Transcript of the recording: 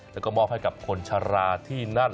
แล้วก็มอบให้กับคนชะลาที่นั่น